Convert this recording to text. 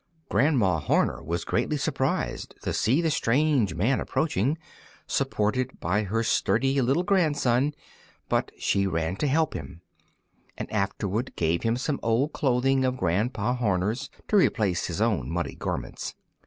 Grandma Horner was greatly surprised to see the strange man approaching, supported by her sturdy little grandson; but she ran to help him, and afterward gave him some old clothing of Grandpa Horner's to replace his own muddy garments.